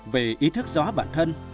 về ý thức gió bản thân